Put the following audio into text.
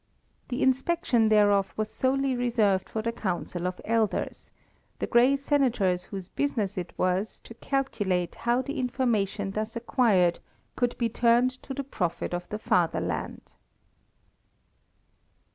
The inspection thereof was solely reserved for the Council of Elders, the grey Senators whose business it was to calculate how the information thus acquired could be turned to the profit of the fatherland.